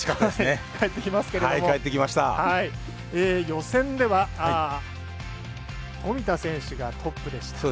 予選では富田選手がトップでした。